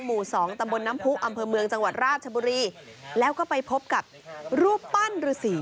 หมู่สองตำบลน้ำผู้อำเภอเมืองจังหวัดราชบุรีแล้วก็ไปพบกับรูปปั้นฤษี